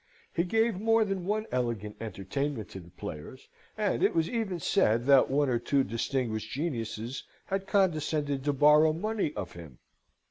He gave more than one elegant entertainment to the players, and it was even said that one or two distinguished geniuses had condescended to borrow money of him.